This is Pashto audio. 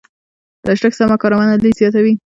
د هشتګ سمه کارونه لید زیاتوي.